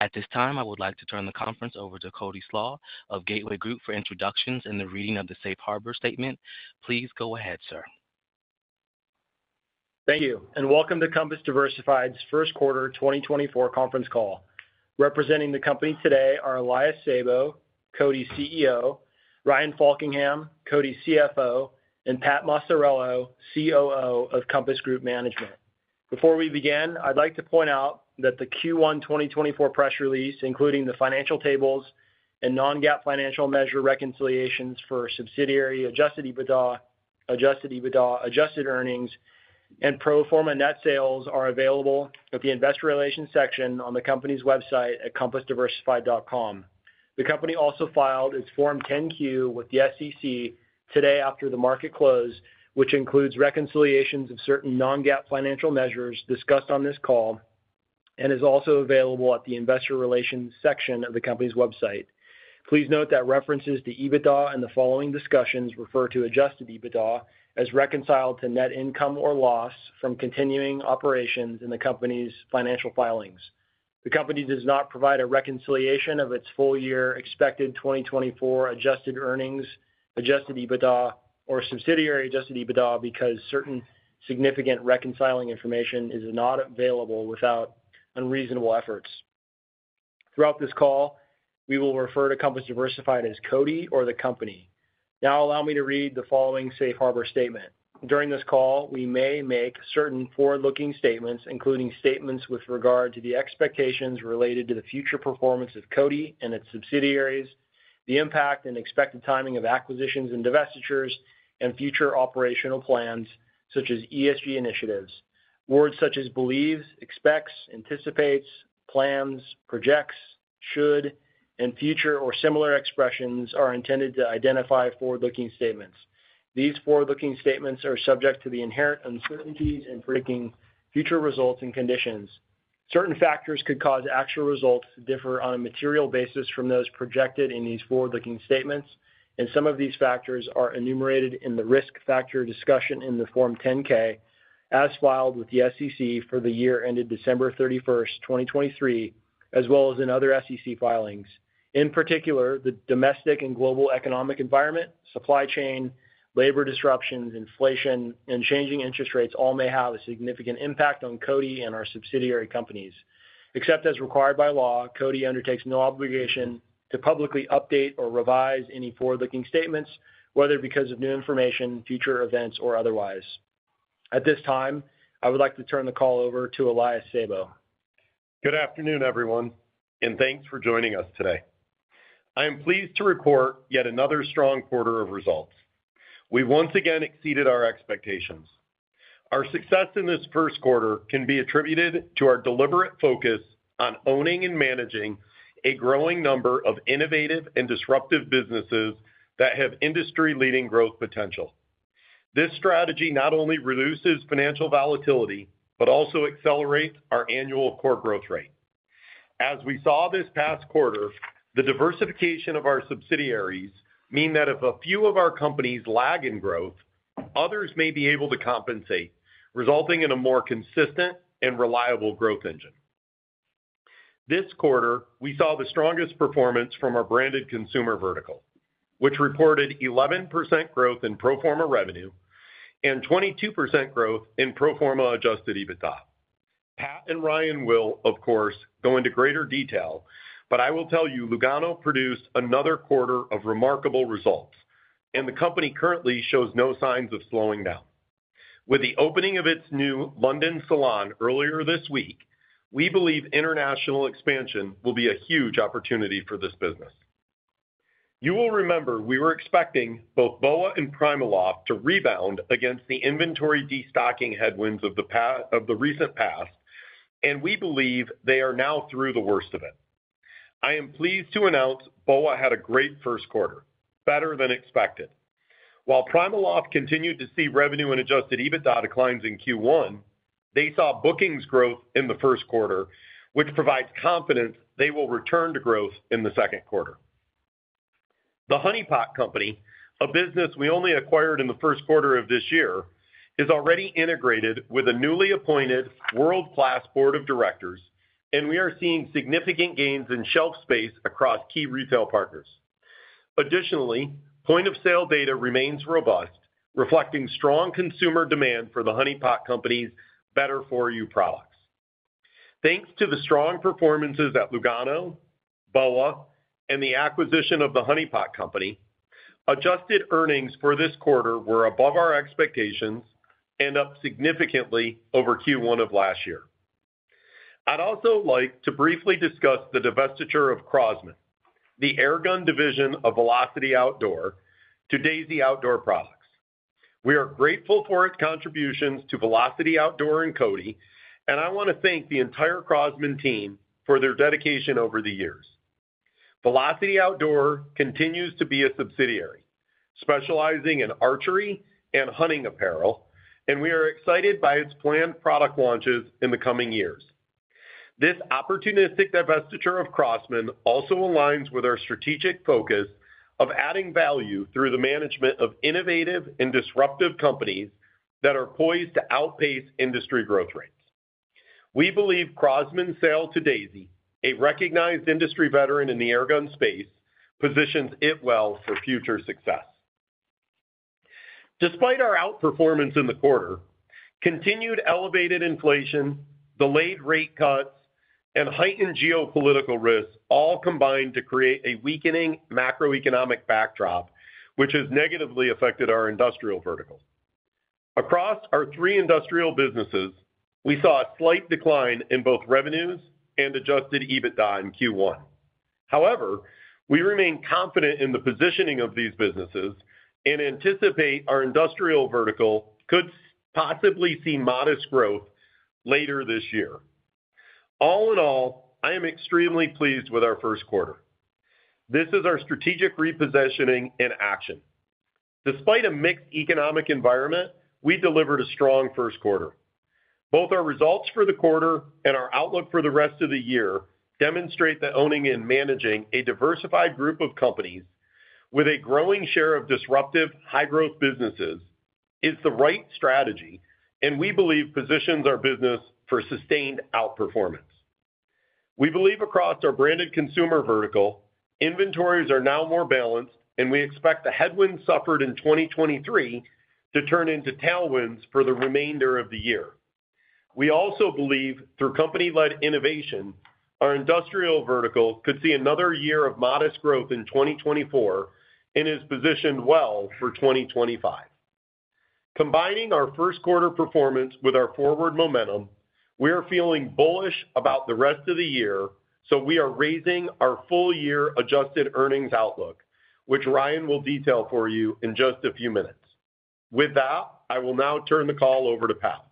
At this time, I would like to turn the conference over to Cody Slach of Gateway Group for introductions and the reading of the Safe Harbor statement. Please go ahead, sir. Thank you, and welcome to Compass Diversified's first quarter 2024 conference call. Representing the company today are Elias Sabo, CODI's CEO, Ryan Faulkingham, CODI's CFO, and Pat Maciariello, COO of Compass Group Management. Before we begin, I'd like to point out that the Q1 2024 press release, including the financial tables and non-GAAP financial measure reconciliations for subsidiary adjusted EBITDA, adjusted EBITDA, adjusted earnings, and pro forma net sales, are available at the investor relations section on the company's website at compassdiversified.com. The company also filed its Form 10-Q with the SEC today after the market closed, which includes reconciliations of certain non-GAAP financial measures discussed on this call and is also available at the investor relations section of the company's website. Please note that references to EBITDA in the following discussions refer to adjusted EBITDA as reconciled to net income or loss from continuing operations in the company's financial filings. The company does not provide a reconciliation of its full-year expected 2024 adjusted earnings, adjusted EBITDA or subsidiary adjusted EBITDA because certain significant reconciling information is not available without unreasonable efforts. Throughout this call, we will refer to Compass Diversified as CODI or the company. Now allow me to read the following Safe Harbor Statement. During this call, we may make certain forward-looking statements, including statements with regard to the expectations related to the future performance of CODI and its subsidiaries, the impact and expected timing of acquisitions and divestitures, and future operational plans, such as ESG initiatives. Words such as believes, expects, anticipates, plans, projects, should, and future or similar expressions are intended to identify forward-looking statements. These forward-looking statements are subject to the inherent uncertainties in predicting future results and conditions. Certain factors could cause actual results to differ on a material basis from those projected in these forward-looking statements, and some of these factors are enumerated in the risk factor discussion in the Form 10-K, as filed with the SEC for the year ended December 31st, 2023, as well as in other SEC filings. In particular, the domestic and global economic environment, supply chain, labor disruptions, inflation, and changing interest rates all may have a significant impact on CODI and our subsidiary companies. Except as required by law, CODI undertakes no obligation to publicly update or revise any forward-looking statements, whether because of new information, future events, or otherwise. At this time, I would like to turn the call over to Elias Sabo. Good afternoon, everyone, and thanks for joining us today. I am pleased to report yet another strong quarter of results. We once again exceeded our expectations. Our success in this first quarter can be attributed to our deliberate focus on owning and managing a growing number of innovative and disruptive businesses that have industry-leading growth potential. This strategy not only reduces financial volatility, but also accelerates our annual core growth rate. As we saw this past quarter, the diversification of our subsidiaries means that if a few of our companies lag in growth, others may be able to compensate, resulting in a more consistent and reliable growth engine. This quarter, we saw the strongest performance from our branded consumer vertical, which reported 11% growth in pro forma revenue and 22% growth in pro forma Adjusted EBITDA. Pat and Ryan will, of course, go into greater detail, but I will tell you Lugano produced another quarter of remarkable results, and the company currently shows no signs of slowing down. With the opening of its new London salon earlier this week, we believe international expansion will be a huge opportunity for this business. You will remember we were expecting both BOA and PrimaLoft to rebound against the inventory destocking headwinds of the recent past, and we believe they are now through the worst of it. I am pleased to announce BOA had a great first quarter, better than expected. While PrimaLoft continued to see revenue and Adjusted EBITDA declines in Q1, they saw bookings growth in the first quarter, which provides confidence they will return to growth in the second quarter. The Honey Pot Company, a business we only acquired in the first quarter of this year, is already integrated with a newly appointed world-class board of directors, and we are seeing significant gains in shelf space across key retail partners. Additionally, point-of-sale data remains robust, reflecting strong consumer demand for The Honey Pot Company's better-for-you products. Thanks to the strong performances at Lugano, BOA, and the acquisition of The Honey Pot Company, adjusted earnings for this quarter were above our expectations and up significantly over Q1 of last year. I'd also like to briefly discuss the divestiture of Crosman, the Air Gun division of Velocity Outdoor, to Daisy Outdoor Products. We are grateful for its contributions to Velocity Outdoor and CODI, and I want to thank the entire Crosman team for their dedication over the years. Velocity Outdoor continues to be a subsidiary, specializing in archery and hunting apparel, and we are excited by its planned product launches in the coming years. This opportunistic divestiture of Crosman also aligns with our strategic focus of adding value through the management of innovative and disruptive companies that are poised to outpace industry growth rates. We believe Crosman's sale to Daisy, a recognized industry veteran in the air gun space, positions it well for future success. Despite our outperformance in the quarter, continued elevated inflation, delayed rate cuts, and heightened geopolitical risks all combined to create a weakening macroeconomic backdrop, which has negatively affected our industrial vertical. Across our three industrial businesses, we saw a slight decline in both revenues and Adjusted EBITDA in Q1. However, we remain confident in the positioning of these businesses and anticipate our industrial vertical could possibly see modest growth later this year. All in all, I am extremely pleased with our first quarter. This is our strategic repositioning in action. Despite a mixed economic environment, we delivered a strong first quarter. Both our results for the quarter and our outlook for the rest of the year demonstrate that owning and managing a diversified group of companies with a growing share of disruptive, high-growth businesses is the right strategy, and we believe positions our business for sustained outperformance. We believe across our branded consumer vertical, inventories are now more balanced, and we expect the headwinds suffered in 2023 to turn into tailwinds for the remainder of the year. We also believe, through company-led innovation, our industrial vertical could see another year of modest growth in 2024 and is positioned well for 2025. Combining our first quarter performance with our forward momentum, we are feeling bullish about the rest of the year, so we are raising our full-year adjusted earnings outlook, which Ryan will detail for you in just a few minutes. With that, I will now turn the call over to Pat.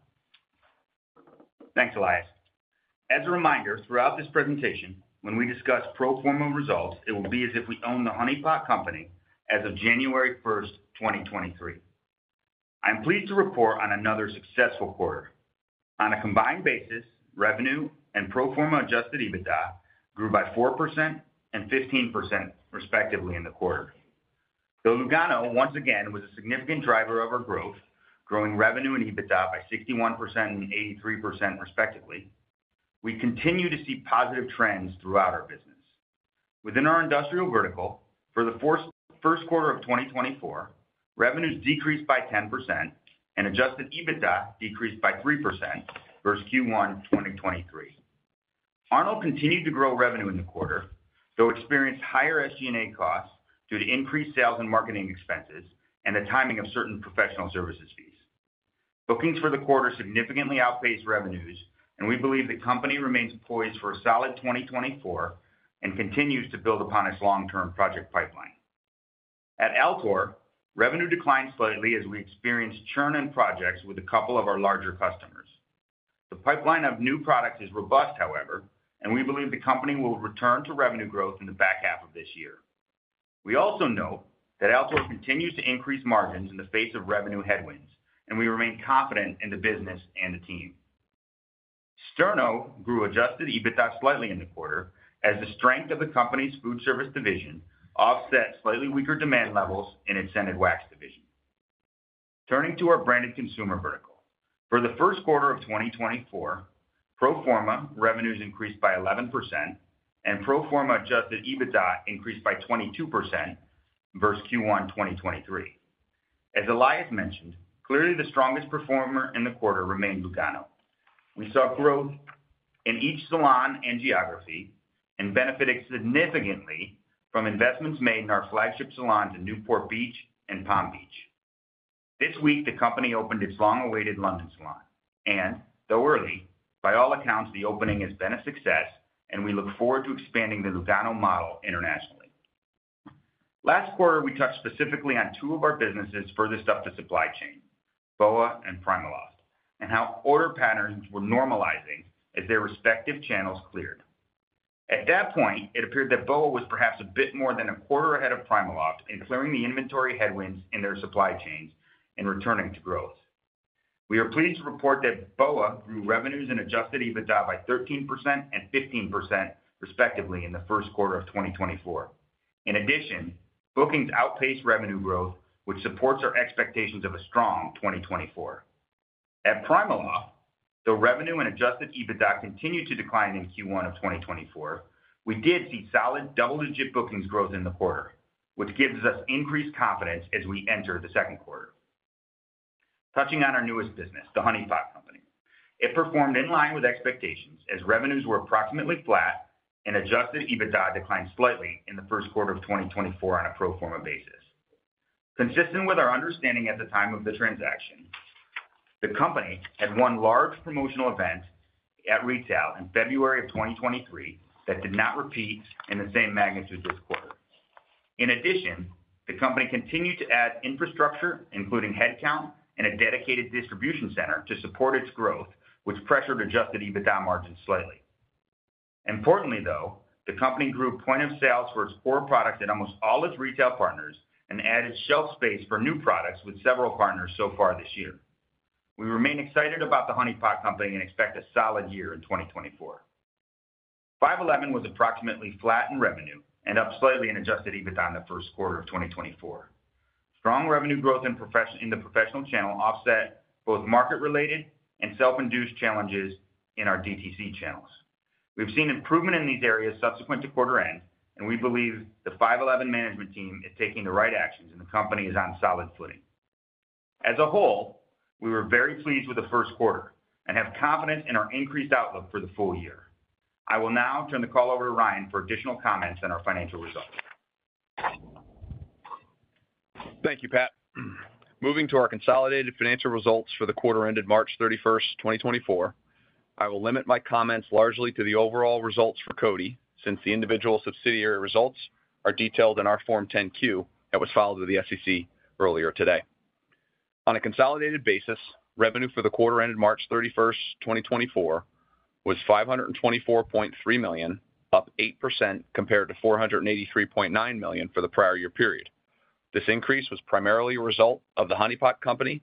Thanks, Elias. As a reminder, throughout this presentation, when we discuss pro forma results, it will be as if we own The Honey Pot Company as of January 1st, 2023. I'm pleased to report on another successful quarter. On a combined basis, revenue and pro forma adjusted EBITDA grew by 4% and 15%, respectively, in the quarter. Though Lugano, once again, was a significant driver of our growth, growing revenue and EBITDA by 61% and 83%, respectively, we continue to see positive trends throughout our business. Within our industrial vertical, for the first quarter of 2024, revenues decreased by 10% and adjusted EBITDA decreased by 3% versus Q1 2023. Arnold continued to grow revenue in the quarter, though experienced higher SG&A costs due to increased sales and marketing expenses and the timing of certain professional services fees. Bookings for the quarter significantly outpaced revenues, and we believe the company remains poised for a solid 2024 and continues to build upon its long-term project pipeline. At Altor, revenue declined slightly as we experienced churn in projects with a couple of our larger customers. The pipeline of new products is robust, however, and we believe the company will return to revenue growth in the back half of this year. We also know that Altor continues to increase margins in the face of revenue headwinds, and we remain confident in the business and the team. Sterno grew Adjusted EBITDA slightly in the quarter as the strength of the company's food service division offset slightly weaker demand levels in its scented wax division. Turning to our branded consumer vertical. For the first quarter of 2024, pro forma revenues increased by 11% and pro forma Adjusted EBITDA increased by 22% versus Q1 2023. As Elias mentioned, clearly, the strongest performer in the quarter remained Lugano. We saw growth in each salon and geography and benefited significantly from investments made in our flagship salons in Newport Beach and Palm Beach. This week, the company opened its long-awaited London salon, and though early, by all accounts, the opening has been a success, and we look forward to expanding the Lugano model internationally. Last quarter, we touched specifically on two of our businesses furthest up the supply chain, BOA and PrimaLoft, and how order patterns were normalizing as their respective channels cleared. At that point, it appeared that BOA was perhaps a bit more than a quarter ahead of PrimaLoft in clearing the inventory headwinds in their supply chains and returning to growth. We are pleased to report that BOA grew revenues and Adjusted EBITDA by 13% and 15%, respectively, in the first quarter of 2024. In addition, bookings outpaced revenue growth, which supports our expectations of a strong 2024. At PrimaLoft, though revenue and Adjusted EBITDA continued to decline in Q1 of 2024, we did see solid double-digit bookings growth in the quarter, which gives us increased confidence as we enter the second quarter. Touching on our newest business, The Honey Pot Company, it performed in line with expectations as revenues were approximately flat and Adjusted EBITDA declined slightly in the first quarter of 2024 on a pro forma basis. Consistent with our understanding at the time of the transaction, the company had one large promotional event at retail in February 2023 that did not repeat in the same magnitude this quarter. In addition, the company continued to add infrastructure, including headcount and a dedicated distribution center, to support its growth, which pressured Adjusted EBITDA margins slightly. Importantly, though, the company grew point-of-sale for its core product in almost all its retail partners and added shelf space for new products with several partners so far this year. We remain excited about The Honey Pot Company and expect a solid year in 2024. 5.11 was approximately flat in revenue and up slightly in Adjusted EBITDA in the first quarter of 2024. Strong revenue growth in the professional channel offset both market-related and self-induced challenges in our DTC channels. We've seen improvement in these areas subsequent to quarter end, and we believe the 5.11 management team is taking the right actions, and the company is on solid footing. As a whole, we were very pleased with the first quarter and have confidence in our increased outlook for the full year. I will now turn the call over to Ryan for additional comments on our financial results. Thank you, Pat. Moving to our consolidated financial results for the quarter ended March 31, 2024, I will limit my comments largely to the overall results for CODI, since the individual subsidiary results are detailed in our Form 10-Q that was filed with the SEC earlier today. On a consolidated basis, revenue for the quarter ended March 31st, 2024, was $524.3 million, up 8% compared to $483.9 million for the prior year period. This increase was primarily a result of The Honey Pot Company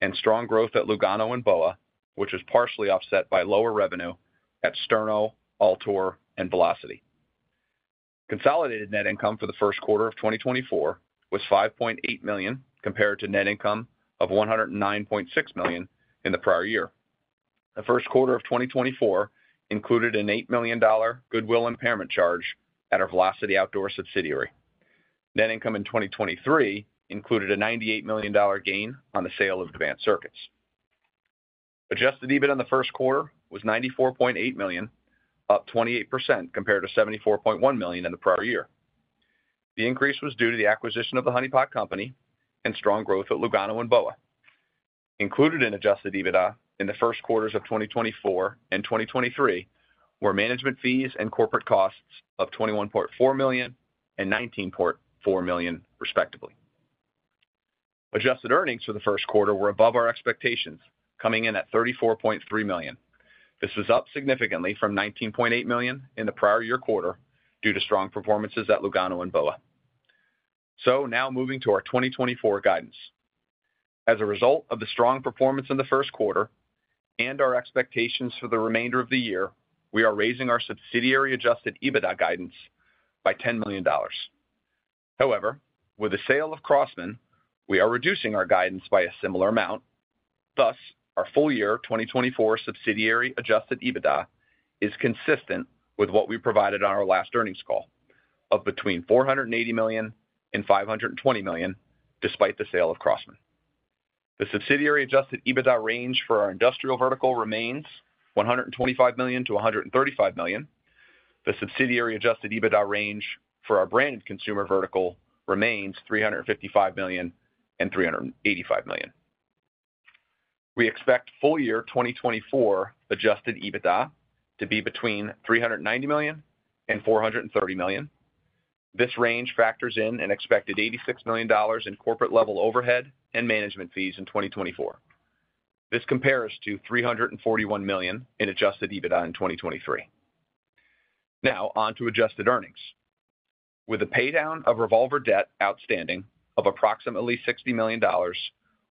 and strong growth at Lugano and BOA, which was partially offset by lower revenue at Sterno, Altor, and Velocity. Consolidated net income for the first quarter of 2024 was $5.8 million, compared to net income of $109.6 million in the prior year. The first quarter of 2024 included an $8 million goodwill impairment charge at our Velocity Outdoor subsidiary. Net income in 2023 included a $98 million gain on the sale of Advanced Circuits. Adjusted EBIT in the first quarter was $94.8 million, up 28% compared to $74.1 million in the prior year. The increase was due to the acquisition of The Honey Pot Company and strong growth at Lugano and BOA. Included in adjusted EBITDA in the first quarters of 2024 and 2023 were management fees and corporate costs of $21.4 million and $19.4 million, respectively. Adjusted earnings for the first quarter were above our expectations, coming in at $34.3 million. This is up significantly from $19.8 million in the prior year quarter due to strong performances at Lugano and BOA. So now moving to our 2024 guidance. As a result of the strong performance in the first quarter and our expectations for the remainder of the year, we are raising our Subsidiary Adjusted EBITDA guidance by $10 million. However, with the sale of Crosman, we are reducing our guidance by a similar amount. Thus, our full-year 2024 Subsidiary Adjusted EBITDA is consistent with what we provided on our last earnings call of between $480 million and $520 million, despite the sale of Crosman. The Subsidiary Adjusted EBITDA range for our industrial vertical remains $125 million-$135 million. The Subsidiary Adjusted EBITDA range for our branded consumer vertical remains $355 million and $385 million. We expect full year 2024 adjusted EBITDA to be between $390 million and $430 million. This range factors in an expected $86 million in corporate-level overhead and management fees in 2024. This compares to $341 million in adjusted EBITDA in 2023. Now on to adjusted earnings. With a paydown of revolver debt outstanding of approximately $60 million,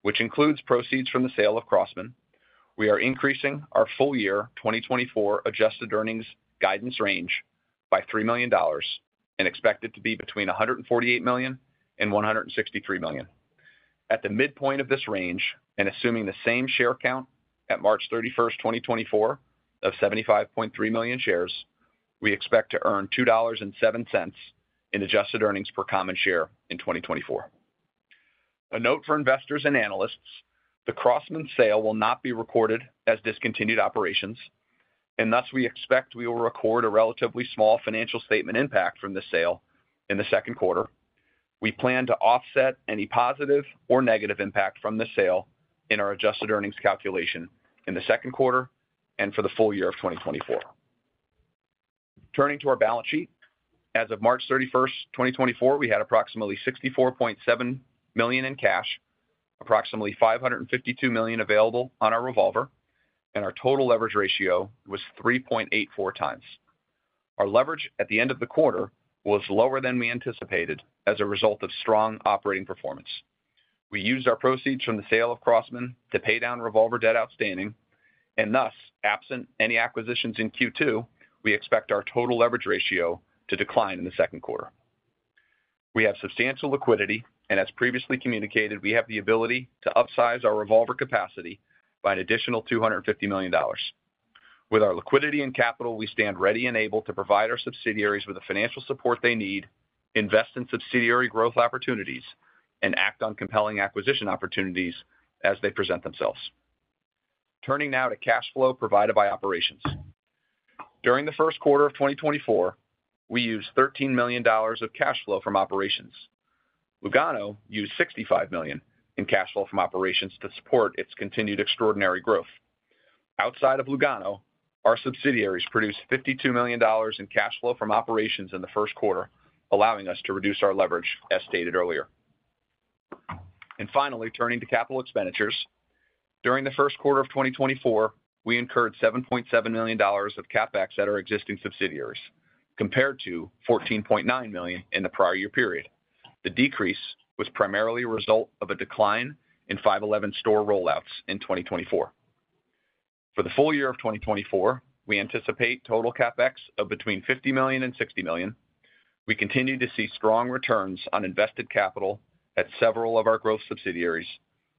which includes proceeds from the sale of Crosman, we are increasing our full year 2024 adjusted earnings guidance range by $3 million and expect it to be between $148 million and $163 million. At the midpoint of this range, and assuming the same share count at March 31st, 2024, of 75.3 million shares, we expect to earn $2.07 in adjusted earnings per common share in 2024. A note for investors and analysts, the Crosman sale will not be recorded as discontinued operations, and thus, we expect we will record a relatively small financial statement impact from the sale in the second quarter. We plan to offset any positive or negative impact from the sale in our adjusted earnings calculation in the second quarter and for the full year of 2024. Turning to our balance sheet. As of March 31st, 2024, we had approximately $64.7 million in cash, approximately $552 million available on our revolver, and our total leverage ratio was 3.84 times. Our leverage at the end of the quarter was lower than we anticipated as a result of strong operating performance. We used our proceeds from the sale of Crosman to pay down revolver debt outstanding, and thus, absent any acquisitions in Q2, we expect our total leverage ratio to decline in the second quarter. We have substantial liquidity, and as previously communicated, we have the ability to upsize our revolver capacity by an additional $250 million. With our liquidity and capital, we stand ready and able to provide our subsidiaries with the financial support they need, invest in subsidiary growth opportunities, and act on compelling acquisition opportunities as they present themselves. Turning now to cash flow provided by operations. During the first quarter of 2024, we used $13 million of cash flow from operations. Lugano used $65 million in cash flow from operations to support its continued extraordinary growth. Outside of Lugano, our subsidiaries produced $52 million in cash flow from operations in the first quarter, allowing us to reduce our leverage, as stated earlier. Finally, turning to capital expenditures. During the first quarter of 2024, we incurred $7.7 million of CapEx at our existing subsidiaries, compared to $14.9 million in the prior year period. The decrease was primarily a result of a decline in 5.11 store rollouts in 2024. For the full year of 2024, we anticipate total CapEx of between $50 million and $60 million. We continue to see strong returns on invested capital at several of our growth subsidiaries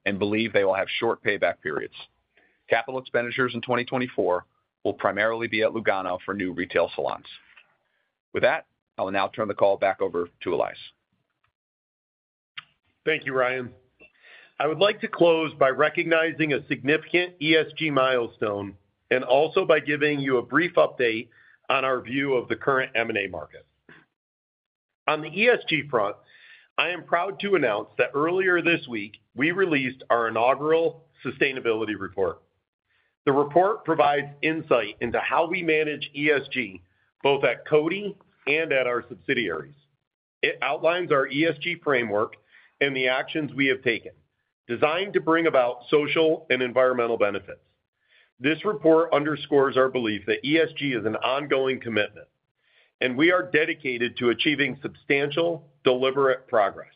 and believe they will have short payback periods. Capital expenditures in 2024 will primarily be at Lugano for new retail salons. With that, I will now turn the call back over to Elias. Thank you, Ryan. I would like to close by recognizing a significant ESG milestone and also by giving you a brief update on our view of the current M&A market. On the ESG front, I am proud to announce that earlier this week, we released our inaugural sustainability report. The report provides insight into how we manage ESG, both at CODI and at our subsidiaries. It outlines our ESG framework and the actions we have taken, designed to bring about social and environmental benefits. This report underscores our belief that ESG is an ongoing commitment, and we are dedicated to achieving substantial, deliberate progress.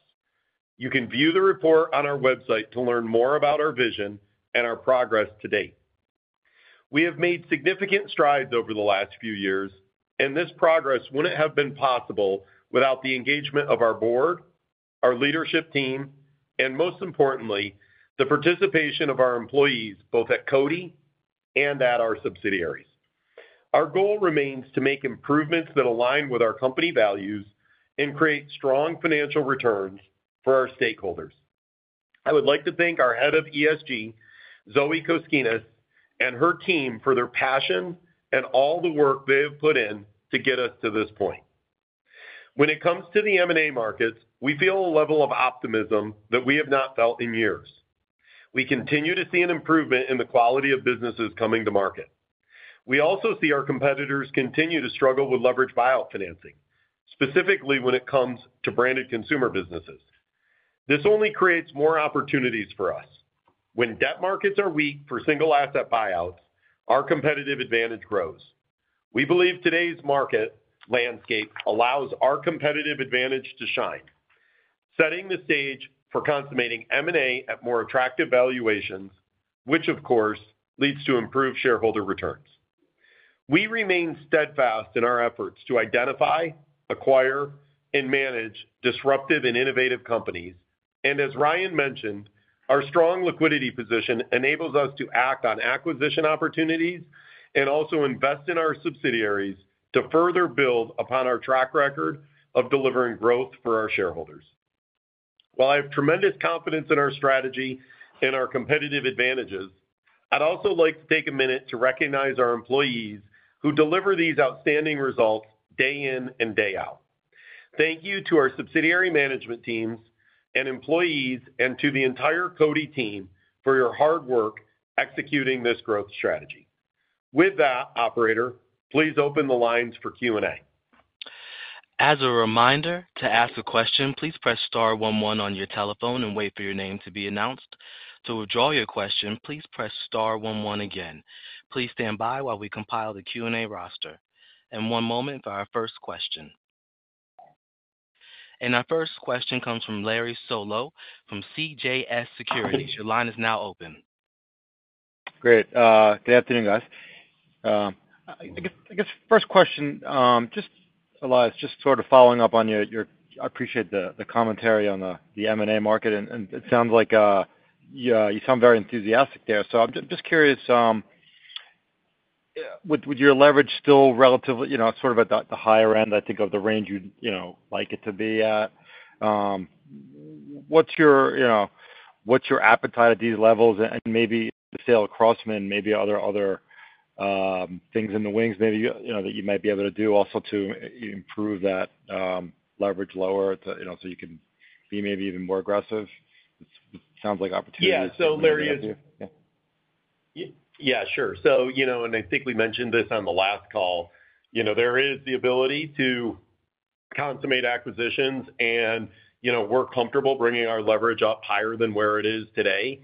You can view the report on our website to learn more about our vision and our progress to date. We have made significant strides over the last few years, and this progress wouldn't have been possible without the engagement of our board, our leadership team, and most importantly, the participation of our employees, both at CODI and at our subsidiaries. Our goal remains to make improvements that align with our company values and create strong financial returns for our stakeholders. I would like to thank our head of ESG, Zoe Koskinas, and her team for their passion and all the work they have put in to get us to this point. When it comes to the M&A markets, we feel a level of optimism that we have not felt in years. We continue to see an improvement in the quality of businesses coming to market. We also see our competitors continue to struggle with leveraged buyout financing, specifically when it comes to branded consumer businesses. This only creates more opportunities for us. When debt markets are weak for single asset buyouts, our competitive advantage grows. We believe today's market landscape allows our competitive advantage to shine, setting the stage for consummating M&A at more attractive valuations, which, of course, leads to improved shareholder returns. We remain steadfast in our efforts to identify, acquire, and manage disruptive and innovative companies, and as Ryan mentioned, our strong liquidity position enables us to act on acquisition opportunities and also invest in our subsidiaries to further build upon our track record of delivering growth for our shareholders. While I have tremendous confidence in our strategy and our competitive advantages, I'd also like to take a minute to recognize our employees who deliver these outstanding results day in and day out. Thank you to our subsidiary management teams and employees, and to the entire CODI team for your hard work executing this growth strategy. With that, operator, please open the lines for Q&A. As a reminder, to ask a question, please press star one one on your telephone and wait for your name to be announced. To withdraw your question, please press star one one again. Please stand by while we compile the Q&A roster. One moment for our first question. Our first question comes from Larry Solow from CJS Securities. Your line is now open. Great. Good afternoon, guys. I guess first question, just Elias, just sort of following up on your. I appreciate the commentary on the M&A market, and it sounds like you sound very enthusiastic there. So I'm just curious, with your leverage still relatively, you know, sort of at the higher end, I think, of the range you'd, you know, like it to be at, what's your, you know, what's your appetite at these levels? And maybe the sale of Crosman, maybe other things in the wings, maybe, you know, that you might be able to do also to improve that leverage lower to, you know, so you can be maybe even more aggressive? Sounds like opportunities- Yeah. So Larry, yeah, sure. So, you know, and I think we mentioned this on the last call, you know, there is the ability to consummate acquisitions, and, you know, we're comfortable bringing our leverage up higher than where it is today.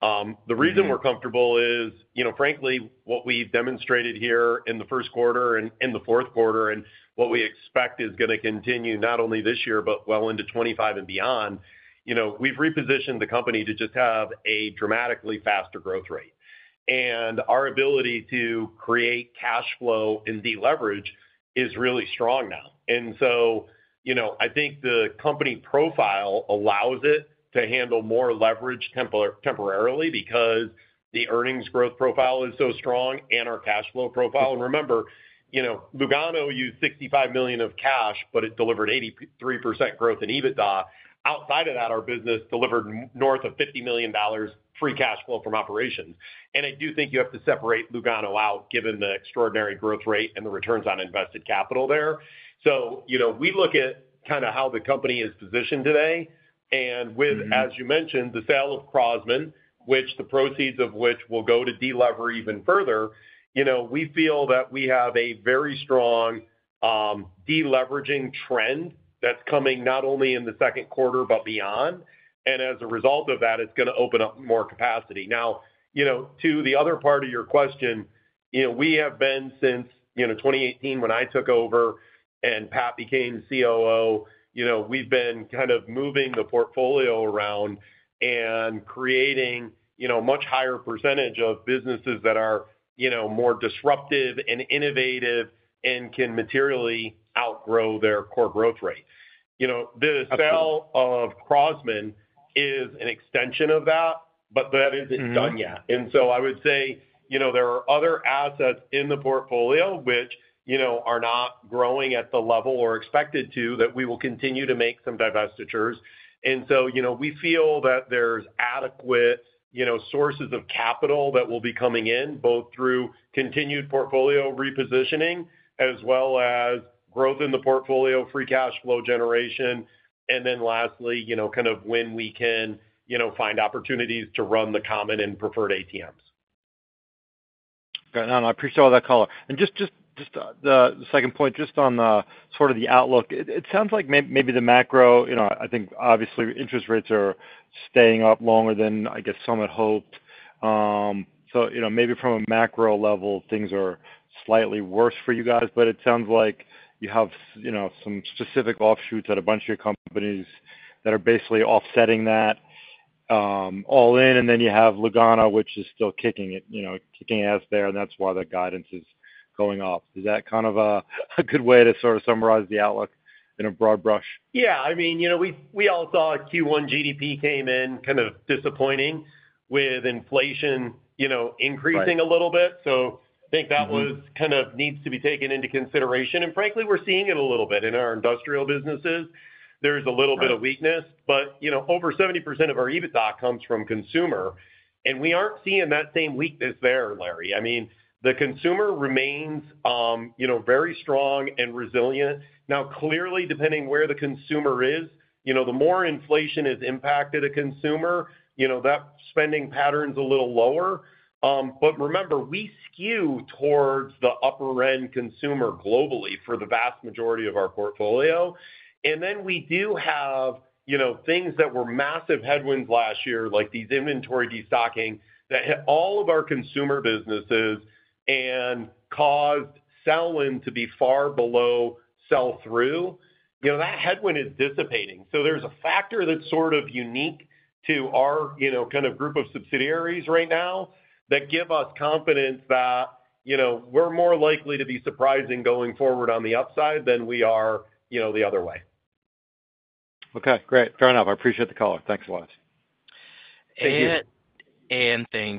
The reason we're comfortable is, you know, frankly, what we've demonstrated here in the first quarter and in the fourth quarter, and what we expect is gonna continue not only this year, but well into 2025 and beyond. You know, we've repositioned the company to just have a dramatically faster growth rate, and our ability to create cash flow and deleverage is really strong now. And so, you know, I think the company profile allows it to handle more leverage temporarily because the earnings growth profile is so strong and our cash flow profile. And remember, you know, Lugano used $65 million of cash, but it delivered 83% growth in EBITDA. Outside of that, our business delivered north of $50 million free cash flow from operations. And I do think you have to separate Lugano out, given the extraordinary growth rate and the returns on invested capital there. So, you know, we look at kinda how the company is positioned today, and with, as you mentioned, the sale of Crosman, which the proceeds of which will go to delever even further, you know, we feel that we have a very strong deleveraging trend that's coming not only in the second quarter, but beyond. And as a result of that, it's gonna open up more capacity. Now, you know, to the other part of your question, you know, we have been since, you know, 2018 when I took over and Pat became COO, you know, we've been kind of moving the portfolio around and creating, you know, much higher percentage of businesses that are, you know, more disruptive and innovative and can materially outgrow their core growth rate. You know, the sale of Crosman is an extension of that, but that isn't done yet. Mm-hmm. So I would say, you know, there are other assets in the portfolio which, you know, are not growing at the level or expected to, that we will continue to make some divestitures. So, you know, we feel that there's adequate, you know, sources of capital that will be coming in, both through continued portfolio repositioning as well as growth in the portfolio, free cash flow generation, and then lastly, you know, kind of when we can, you know, find opportunities to run the common and preferred ATMs. Got it. No, I appreciate all that color. And just the second point, just on the sort of the outlook. It sounds like maybe the macro, you know, I think obviously interest rates are staying up longer than, I guess, some had hoped. So, you know, maybe from a macro level, things are slightly worse for you guys, but it sounds like you have, you know, some specific offshoots at a bunch of your companies that are basically offsetting that, all in, and then you have Lugano, which is still kicking it, you know, kicking ass there, and that's why the guidance is going up. Is that kind of a good way to sort of summarize the outlook in a broad brush? Yeah. I mean, you know, we all saw Q1 GDP came in kind of disappointing with inflation, you know, increasing- Right A little bit. So I think that was- Mm-hmm Kind of needs to be taken into consideration. Frankly, we're seeing it a little bit in our industrial businesses. Right. There's a little bit of weakness, but, you know, over 70% of our EBITDA comes from consumer, and we aren't seeing that same weakness there, Larry. I mean, the consumer remains, you know, very strong and resilient. Now, clearly, depending where the consumer is, you know, the more inflation has impacted a consumer, you know, that spending pattern's a little lower. But remember, we skew towards the upper-end consumer globally for the vast majority of our portfolio. And then we do have, you know, things that were massive headwinds last year, like these inventory destocking, that hit all of our consumer businesses and caused sell-in to be far below sell-through. You know, that headwind is dissipating. So there's a factor that's sort of unique to our, you know, kind of group of subsidiaries right now that give us confidence that, you know, we're more likely to be surprising going forward on the upside than we are, you know, the other way. Okay, great. Fair enough. I appreciate the call. Thanks a lot. Thank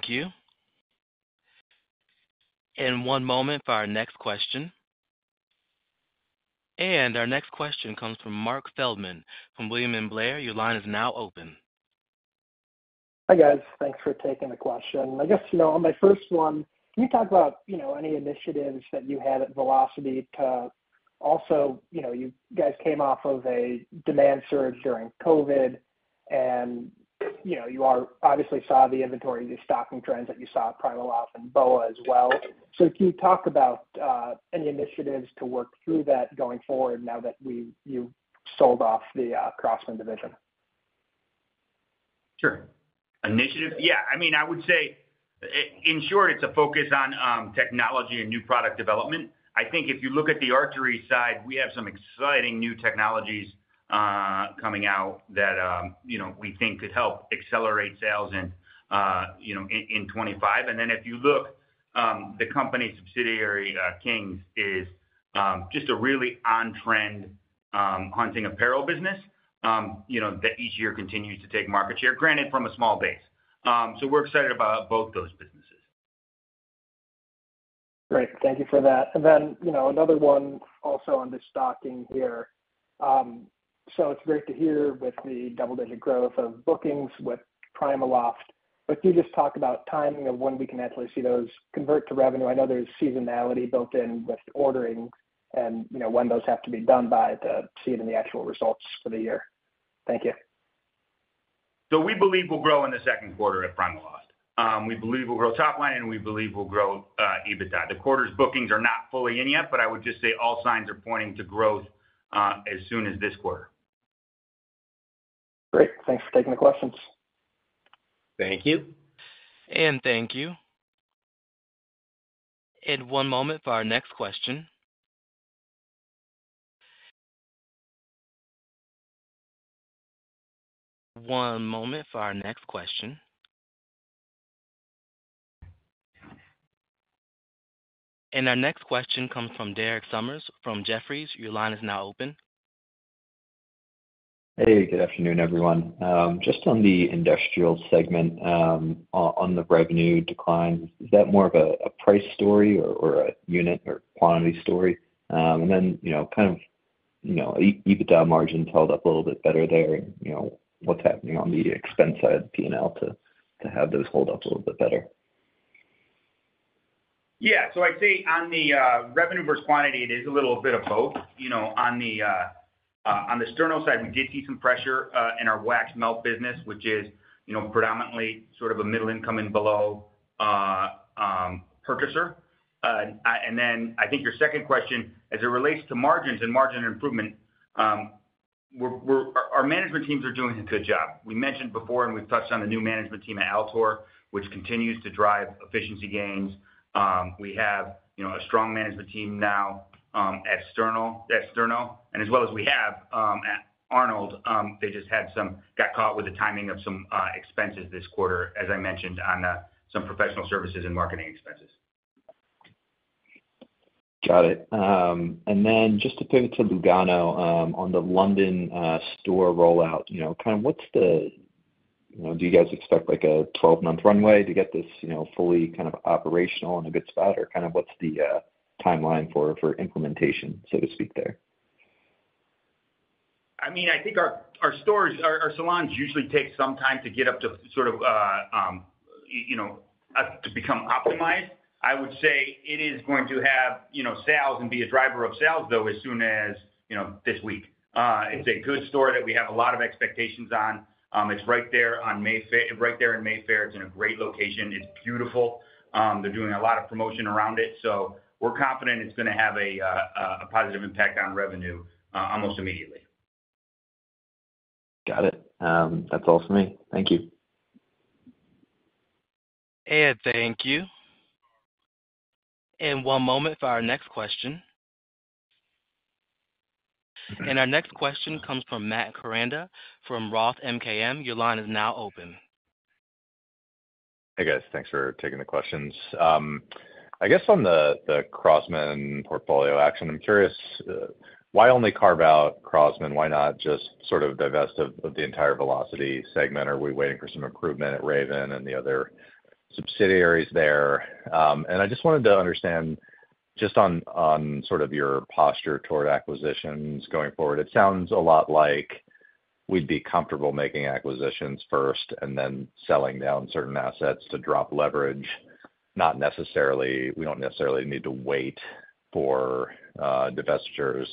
you. And thank you. One moment for our next question. Our next question comes from Marc Feldman from William Blair. Your line is now open. Hi, guys. Thanks for taking the question. I guess, you know, on my first one, can you talk about, you know, any initiatives that you had at Velocity to. Also, you know, you guys came off of a demand surge during COVID, and, you know, you obviously saw the inventory, the stocking trends that you saw at PrimaLoft and BOA as well. So can you talk about any initiatives to work through that going forward now that you've sold off the Crosman division? Sure. Initiative? Yeah, I mean, I would say, in short, it's a focus on technology and new product development. I think if you look at the archery side, we have some exciting new technologies coming out that, you know, we think could help accelerate sales in, you know, in 2025. And then if you look, the company subsidiary, King's, is just a really on-trend hunting apparel business, you know, that each year continues to take market share, granted from a small base. So we're excited about both those businesses. Great. Thank you for that. And then, you know, another one also on the stocking here. So it's great to hear with the double-digit growth of bookings with PrimaLoft. But can you just talk about timing of when we can actually see those convert to revenue? I know there's seasonality built in with ordering and, you know, when those have to be done by to see it in the actual results for the year. Thank you. So we believe we'll grow in the second quarter at PrimaLoft. We believe we'll grow top line, and we believe we'll grow EBITDA. The quarter's bookings are not fully in yet, but I would just say all signs are pointing to growth as soon as this quarter. Great. Thanks for taking the questions. Thank you. Thank you. One moment for our next question. One moment for our next question. Our next question comes from Derek Sommers from Jefferies. Your line is now open. Hey, good afternoon, everyone. Just on the industrial segment, on the revenue decline, is that more of a price story or a unit or quantity story? And then, you know, kind of, you know, EBITDA margin held up a little bit better there. You know, what's happening on the expense side of the P&L to have those hold up a little bit better? Yeah. So I'd say on the revenue versus quantity, it is a little bit of both. You know, on the Sterno side, we did see some pressure in our wax melt business, which is, you know, predominantly sort of a middle income and below purchaser. And then I think your second question, as it relates to margins and margin improvement, we're our management teams are doing a good job. We mentioned before, and we've touched on the new management team at Altor, which continues to drive efficiency gains. We have, you know, a strong management team now at Sterno, at Sterno, and as well as we have at Arnold. They just had some, got caught with the timing of some professional services and marketing expenses. Got it. And then just to pivot to Lugano, on the London store rollout, you know, kind of what's the. You know, do you guys expect, like, a 12-month runway to get this, you know, fully kind of operational and a good spot? Or kind of what's the timeline for implementation, so to speak, there? I mean, I think our stores, our salons usually take some time to get up to sort of, you know, to become optimized. I would say it is going to have, you know, sales and be a driver of sales, though, as soon as, you know, this week. It's a good store that we have a lot of expectations on. It's right there on Mayfair - right there in Mayfair. It's in a great location. It's beautiful. They're doing a lot of promotion around it, so we're confident it's gonna have a positive impact on revenue almost immediately. Got it. That's all for me. Thank you. Thank you. One moment for our next question. Our next question comes from Matt Koranda from Roth MKM. Your line is now open. Hey, guys. Thanks for taking the questions. I guess on the Crosman portfolio action, I'm curious why only carve out Crosman? Why not just sort of divest of the entire Velocity segment? Are we waiting for some improvement at Ravin and the other subsidiaries there? And I just wanted to understand, just on sort of your posture toward acquisitions going forward, it sounds a lot like we'd be comfortable making acquisitions first and then selling down certain assets to drop leverage. Not necessarily. We don't necessarily need to wait for divestitures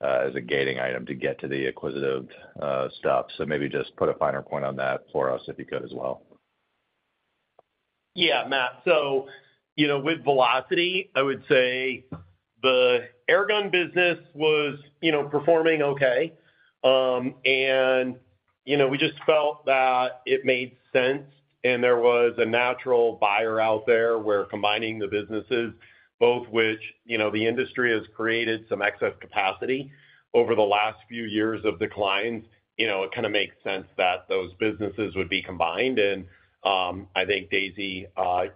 as a gating item to get to the acquisitive stuff. So maybe just put a finer point on that for us, if you could, as well. Yeah, Matt. So, you know, with Velocity, I would say the Air Gun business was, you know, performing okay. And, you know, we just felt that it made sense, and there was a natural buyer out there, where combining the businesses, both which, you know, the industry has created some excess capacity over the last few years of declines. You know, it kind of makes sense that those businesses would be combined. And, I think Daisy,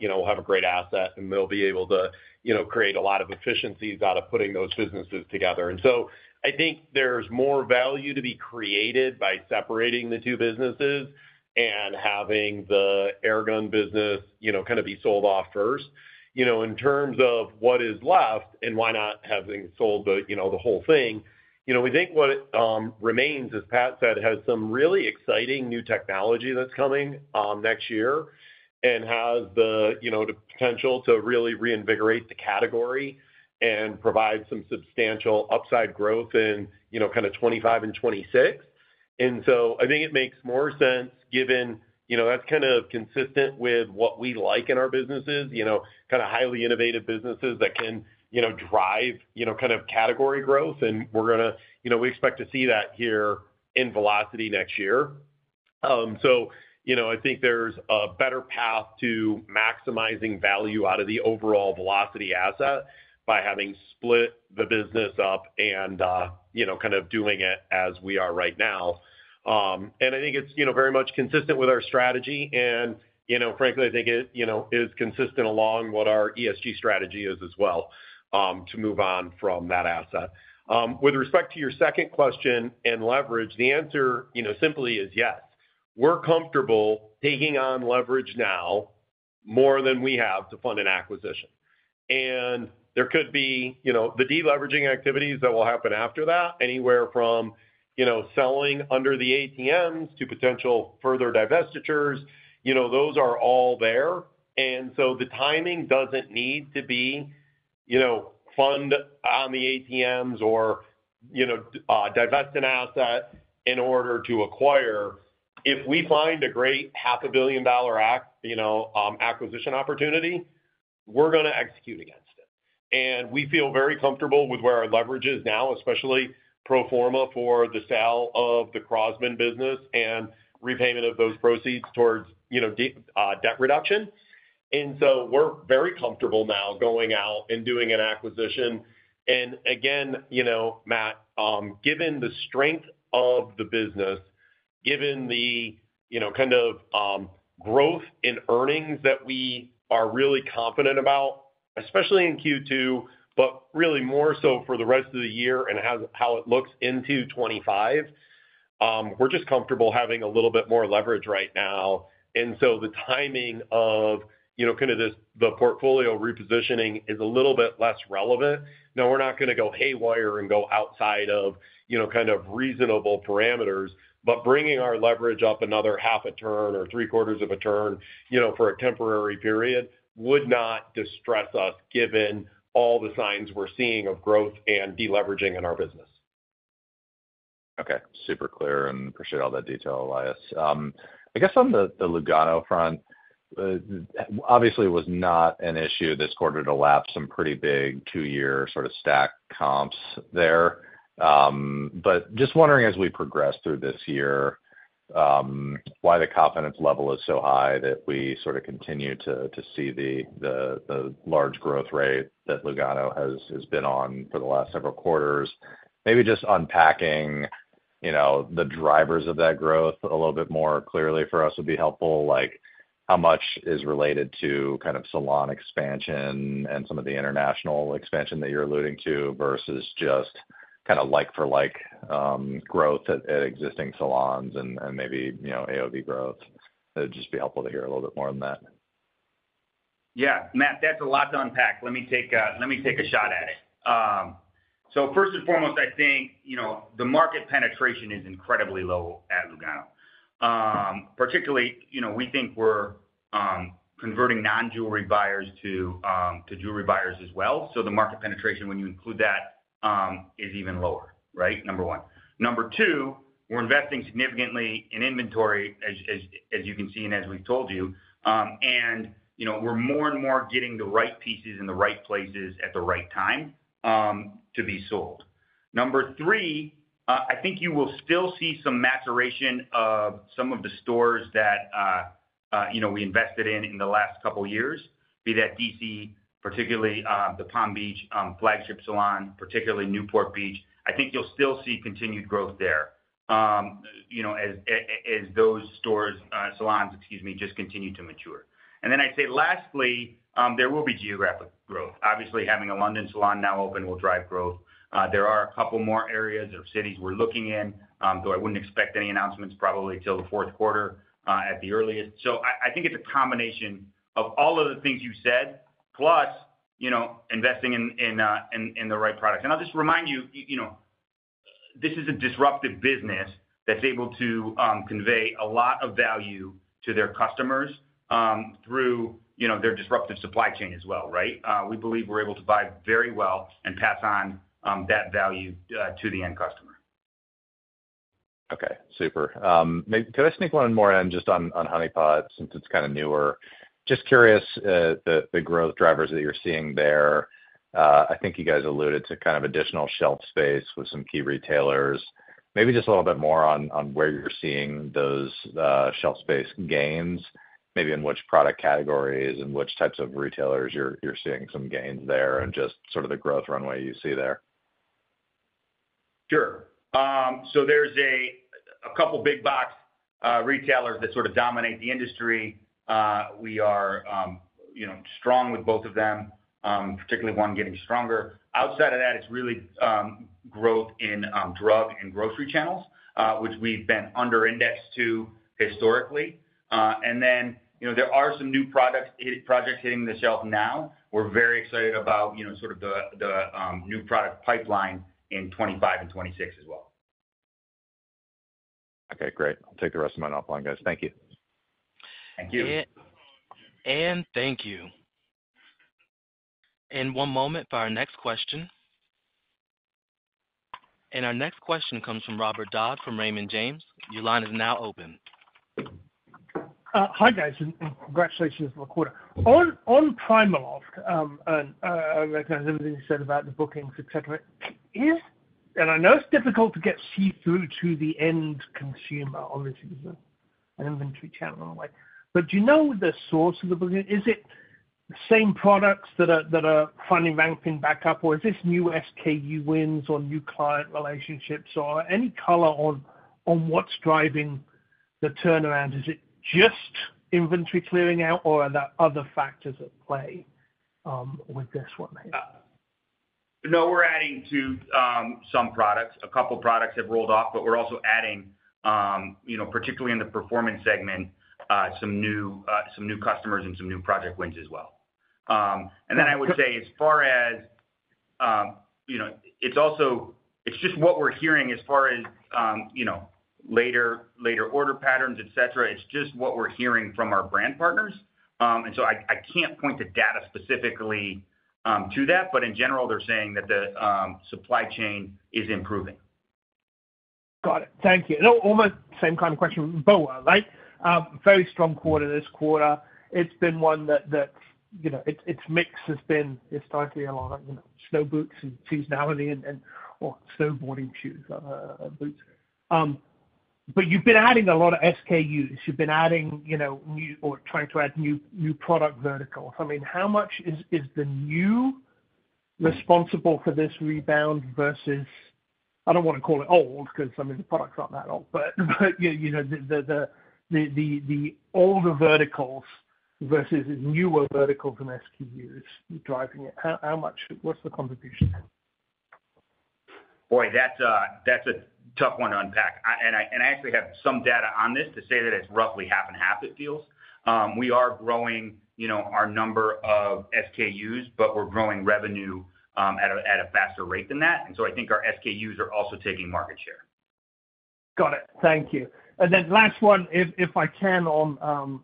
you know, will have a great asset, and they'll be able to, you know, create a lot of efficiencies out of putting those businesses together. And so I think there's more value to be created by separating the two businesses and having the Air Gun business, you know, kind of be sold off first. You know, in terms of what is left and why not having sold the, you know, the whole thing, you know, we think what remains, as Pat said, has some really exciting new technology that's coming next year and has the, you know, the potential to really reinvigorate the category and provide some substantial upside growth in, you know, kind of 2025 and 2026. And so I think it makes more sense, given, you know, that's kind of consistent with what we like in our businesses, you know, kind of highly innovative businesses that can, you know, drive, you know, kind of category growth. And we're gonna. You know, we expect to see that here in Velocity next year. So, you know, I think there's a better path to maximizing value out of the overall Velocity asset by having split the business up and, you know, kind of doing it as we are right now. I think it's, you know, very much consistent with our strategy, and, you know, frankly, I think it, you know, is consistent along what our ESG strategy is as well, to move on from that asset. With respect to your second question in leverage, the answer, you know, simply is yes. We're comfortable taking on leverage now more than we have to fund an acquisition. There could be, you know, the deleveraging activities that will happen after that, anywhere from, you know, selling under the ATMs to potential further divestitures, you know, those are all there. And so the timing doesn't need to be, you know, funded on the ATMs or, you know, divest an asset in order to acquire. If we find a great $500 million acquisition opportunity, we're gonna execute against it. And we feel very comfortable with where our leverage is now, especially pro forma for the sale of the Crosman business and repayment of those proceeds towards, you know, debt reduction. And so we're very comfortable now going out and doing an acquisition. And again, you know, Matt, given the strength of the business, given the, you know, kind of, growth in earnings that we are really confident about, especially in Q2, but really more so for the rest of the year and how it looks into 2025, we're just comfortable having a little bit more leverage right now. And so the timing of, you know, kind of this, the portfolio repositioning is a little bit less relevant. Now, we're not gonna go haywire and go outside of, you know, kind of reasonable parameters, but bringing our leverage up another 0.5 turn or 0.75 turn, you know, for a temporary period, would not distress us, given all the signs we're seeing of growth and deleveraging in our business. Okay, super clear and appreciate all that detail, Elias. I guess on the Lugano front, obviously was not an issue this quarter to lap some pretty big two-year sort of stack comps there. But just wondering as we progress through this year, why the confidence level is so high that we sort of continue to see the large growth rate that Lugano has been on for the last several quarters? Maybe just unpacking, you know, the drivers of that growth a little bit more clearly for us would be helpful. Like, how much is related to kind of salon expansion and some of the international expansion that you're alluding to, versus just kind of like for like growth at existing salons and maybe, you know, AOV growth. It'd just be helpful to hear a little bit more on that. Yeah. Matt, that's a lot to unpack. Let me take, let me take a shot at it. So first and foremost, I think, you know, the market penetration is incredibly low at Lugano. Particularly, you know, we think we're converting non-jewelry buyers to, to jewelry buyers as well. So the market penetration, when you include that, is even lower, right? Number one. Number two, we're investing significantly in inventory as you can see and as we've told you, and, you know, we're more and more getting the right pieces in the right places at the right time, to be sold. Number three, I think you will still see some maturation of some of the stores that, you know, we invested in in the last couple of years. Be that DC, particularly, the Palm Beach flagship salon, particularly Newport Beach. I think you'll still see continued growth there, you know, as those stores, salons, excuse me, just continue to mature. And then I'd say, lastly, there will be geographic growth. Obviously, having a London salon now open will drive growth. There are a couple more areas or cities we're looking in, though I wouldn't expect any announcements probably till the fourth quarter, at the earliest. So I think it's a combination of all of the things you said, plus, you know, investing in the right product. And I'll just remind you, you know, this is a disruptive business that's able to convey a lot of value to their customers, through, you know, their disruptive supply chain as well, right? We believe we're able to buy very well and pass on that value to the end customer. Okay, super. Could I sneak one more in just on Honey Pot since it's kind of newer? Just curious, the growth drivers that you're seeing there. I think you guys alluded to kind of additional shelf space with some key retailers. Maybe just a little bit more on where you're seeing those shelf space gains, maybe in which product categories and which types of retailers you're seeing some gains there, and just sort of the growth runway you see there. Sure. So there's a couple big box retailers that sort of dominate the industry. We are, you know, strong with both of them, particularly one getting stronger. Outside of that, it's really growth in drug and grocery channels, which we've been under-indexed to historically. And then, you know, there are some new products, projects hitting the shelf now. We're very excited about, you know, sort of the new product pipeline in 2025 and 2026 as well. Okay, great. I'll take the rest of mine offline, guys. Thank you. Thank you. And thank you. One moment for our next question. Our next question comes from Robert Dodd, from Raymond James. Your line is now open. Hi, guys, and congratulations on the quarter. On PrimaLoft, and recognize everything you said about the bookings, et cetera, is, and I know it's difficult to get see through to the end consumer, obviously, an inventory channel, like, but do you know the source of the booking? Is it the same products that are, that are finally ramping back up, or is this new SKU wins or new client relationships, or any color on, on what's driving the turnaround? Is it just inventory clearing out or are there other factors at play, with this one here? No, we're adding to some products. A couple products have rolled off, but we're also adding you know, particularly in the performance segment, some new customers and some new project wins as well. And then I would say, as far as you know, it's also. It's just what we're hearing as far as you know, later order patterns, et cetera. It's just what we're hearing from our brand partners. And so I can't point to data specifically to that, but in general, they're saying that the supply chain is improving. Got it. Thank you. Almost same kind of question. BOA, right? Very strong quarter this quarter. It's been one that, you know, its mix has been historically a lot, you know, snow boots and seasonality and, or snowboarding shoes, boots. But you've been adding a lot of SKUs. You've been adding, you know, new or trying to add new product verticals. I mean, how much is the new responsible for this rebound versus, I don't want to call it old, because, I mean, the product's not that old, but, you know, the older verticals versus the newer verticals and SKUs driving it? How much? What's the contribution there? Boy, that's a, that's a tough one to unpack. I actually have some data on this to say that it's roughly half and half, it feels. We are growing, you know, our number of SKUs, but we're growing revenue at a faster rate than that. And so I think our SKUs are also taking market share. Got it. Thank you. And then last one, if I can on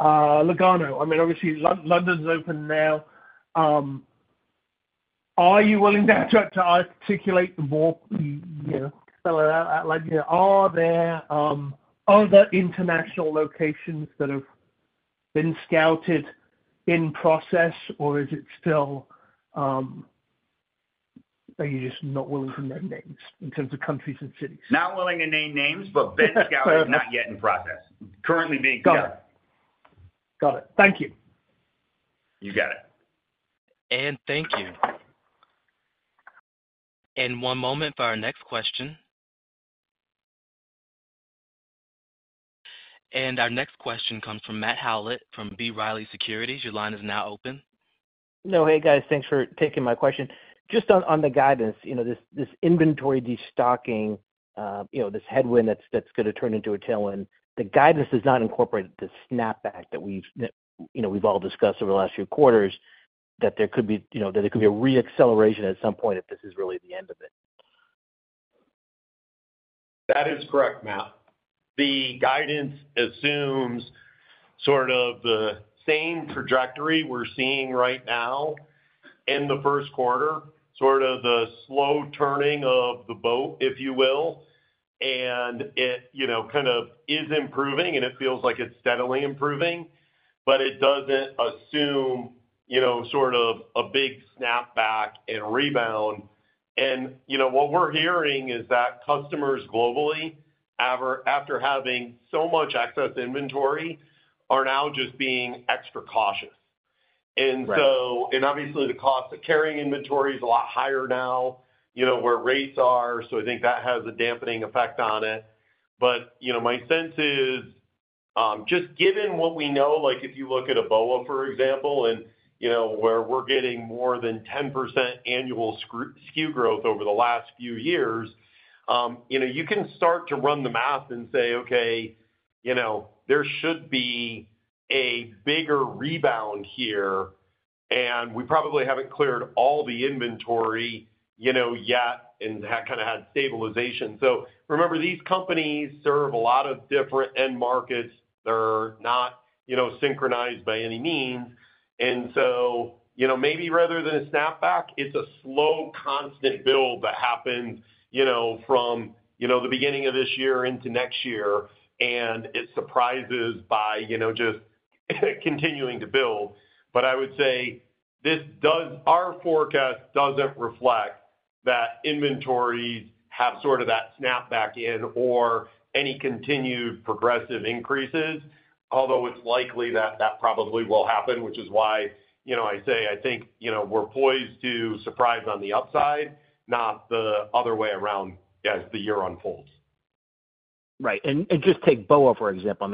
Lugano. I mean, obviously, London's open now. Are you willing to articulate more, you know, spell it out? Like, are there other international locations that have been scouted in process, or is it still, are you just not willing to name names in terms of countries and cities? Not willing to name names, but been scouted, not yet in process. Currently being looked at. Got it. Thank you. You got it. Thank you. One moment for our next question. Our next question comes from Matt Howlett from B. Riley Securities. Your line is now open. No, hey, guys, thanks for taking my question. Just on the guidance, you know, this inventory destocking, you know, this headwind that's gonna turn into a tailwind. The guidance does not incorporate the snapback that we've, you know, we've all discussed over the last few quarters, that there could be, you know, that there could be a re-acceleration at some point if this is really the end of it. That is correct, Matt. The guidance assumes sort of the same trajectory we're seeing right now in the first quarter, sort of the slow turning of the boat, if you will. And it, you know, kind of is improving, and it feels like it's steadily improving, but it doesn't assume, you know, sort of a big snapback and rebound. And, you know, what we're hearing is that customers globally, after having so much excess inventory, are now just being extra cautious. Right. Obviously, the cost of carrying inventory is a lot higher now, you know, where rates are, so I think that has a dampening effect on it. But, you know, my sense is, just given what we know, like, if you look at a BOA, for example, and, you know, where we're getting more than 10% annual SKU growth over the last few years, you know, you can start to run the math and say, okay, you know, there should be a bigger rebound here, and we probably haven't cleared all the inventory, you know, yet, and kind of had stabilization. So remember, these companies serve a lot of different end markets. They're not, you know, synchronized by any means. So, you know, maybe rather than a snapback, it's a slow, constant build that happens, you know, from, you know, the beginning of this year into next year, and it surprises by, you know, just continuing to build. But I would say this does, our forecast doesn't reflect that inventories have sort of that snapback in or any continued progressive increases, although it's likely that that probably will happen, which is why, you know, I say, I think, you know, we're poised to surprise on the upside, not the other way around as the year unfolds. Right. And just take BOA, for example,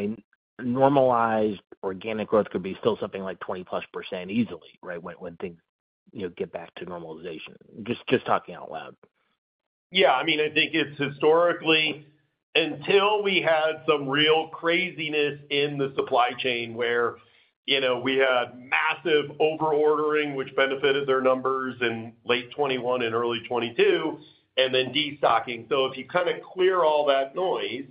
I mean, normalized organic growth could be still something like 20%+ easily, right? When things, you know, get back to normalization. Just talking out loud. Yeah, I mean, I think it's historically, until we had some real craziness in the supply chain, where, you know, we had massive over-ordering, which benefited their numbers in late 2021 and early 2022, and then destocking. So if you kind of clear all that noise,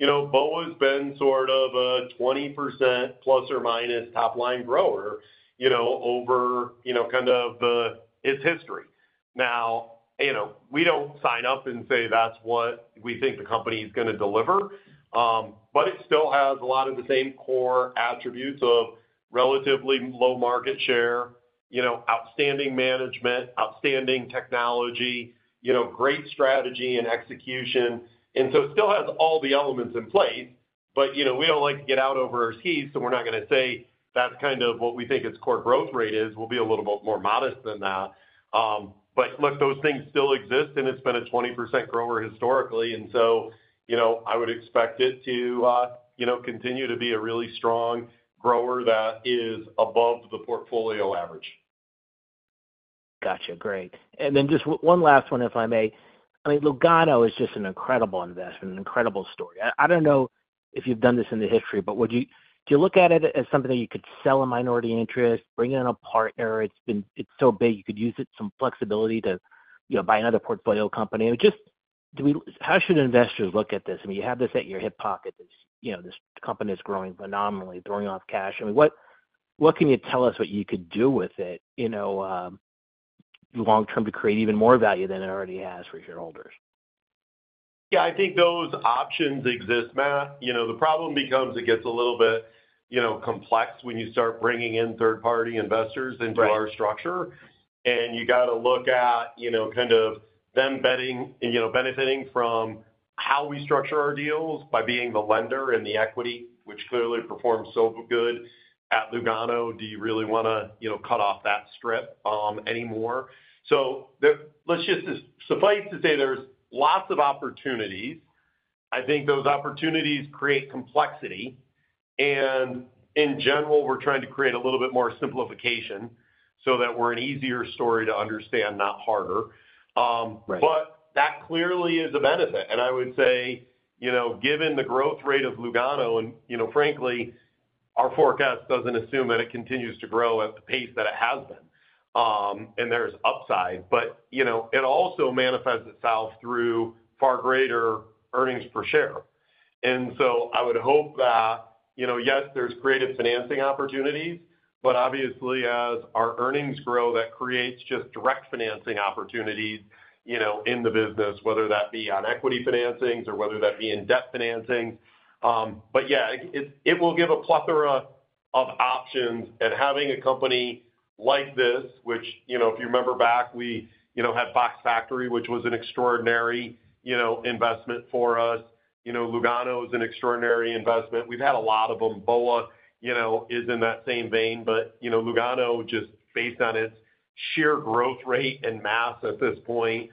you know, BOA's been sort of a 20% plus or minus top-line grower, you know, over, you know, kind of the, its history. Now, you know, we don't sign up and say that's what we think the company is gonna deliver, but it still has a lot of the same core attributes of relatively low market share, you know, outstanding management, outstanding technology, you know, great strategy and execution. So it still has all the elements in place, but, you know, we don't like to get out over our skis, so we're not gonna say that's kind of what we think its core growth rate is. We'll be a little bit more modest than that. But look, those things still exist, and it's been a 20% grower historically, and so, you know, I would expect it to, you know, continue to be a really strong grower that is above the portfolio average. Gotcha. Great. And then just one last one, if I may. I mean, Lugano is just an incredible investment, an incredible story. I don't know if you've done this in the history, but do you look at it as something that you could sell a minority interest, bring in a partner? It's so big you could use it, some flexibility to, you know, buy another portfolio company. How should investors look at this? I mean, you have this at your hip pocket. This, you know, this company is growing phenomenally, throwing off cash. I mean, what can you tell us what you could do with it, you know, long-term to create even more value than it already has for shareholders? Yeah, I think those options exist, Matt. You know, the problem becomes, it gets a little bit, you know, complex when you start bringing in third-party investors into our structure. Right. You got to look at, you know, kind of them betting, you know, benefiting from how we structure our deals by being the lender and the equity, which clearly performs so good at Lugano. Do you really wanna, you know, cut off that strip anymore? So let's just suffice to say, there's lots of opportunities. I think those opportunities create complexity, and in general, we're trying to create a little bit more simplification so that we're an easier story to understand, not harder. Right. But that clearly is a benefit. And I would say, you know, given the growth rate of Lugano and, you know, frankly, our forecast doesn't assume that it continues to grow at the pace that it has been. And there's upside, but, you know, it also manifests itself through far greater earnings per share. And so I would hope that, you know, yes, there's creative financing opportunities, but obviously, as our earnings grow, that creates just direct financing opportunities, you know, in the business, whether that be on equity financings or whether that be in debt financing. But yeah, it, it will give a plethora of options. And having a company like this, which, you know, if you remember back, we, you know, had Fox Factory, which was an extraordinary, you know, investment for us. You know, Lugano is an extraordinary investment. We've had a lot of them. BOA, you know, is in that same vein, but, you know, Lugano, just based on its sheer growth rate and mass at this point,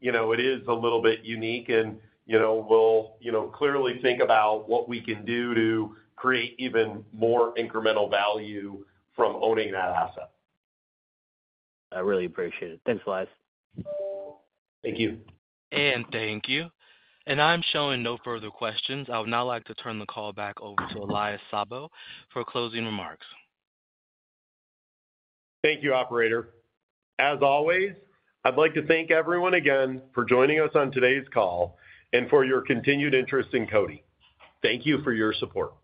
you know, it is a little bit unique and, you know, we'll, you know, clearly think about what we can do to create even more incremental value from owning that asset. I really appreciate it. Thanks a lot. Thank you. Thank you. I'm showing no further questions. I would now like to turn the call back over to Elias Sabo for closing remarks. Thank you, operator. As always, I'd like to thank everyone again for joining us on today's call and for your continued interest in CODI. Thank you for your support.